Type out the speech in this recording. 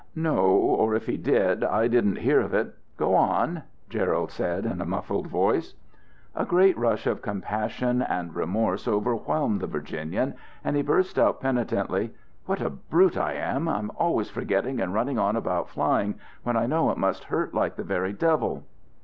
"No, or if he did, I didn't hear of it. Go on," Gerald said in a muffled voice. A great rush of compassion and remorse overwhelmed the Virginian, and he burst out penitently, "What a brute I am! I'm always forgetting and running on about flying, when I know it must hurt like the very devil!"